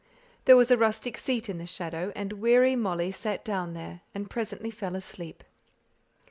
There was a rustic seat in the shadow, and weary Molly sate down there, and presently fell asleep.